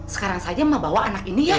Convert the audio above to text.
sekarang saja mak bawa anak ini ya